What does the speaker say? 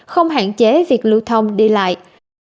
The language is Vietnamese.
không hạn chế việc lưu thông đi lại